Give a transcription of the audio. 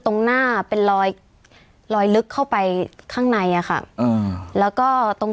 ตรงหน้าเป็นรอยลอยลึกเข้าไปข้างในอ่ะค่ะอืมแล้วก็ตรง